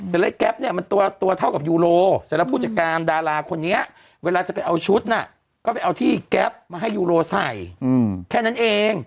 แต่ไอ้แก๊ปเนี่ยมันตัวเท่ากับยูโรเสร็จแล้วผู้จัดการดาราคนนี้เวลาจะไปเอาชุดน่ะก็ไปเอาที่แก๊ปมาให้ยูโรใส่แค่นั้นเอง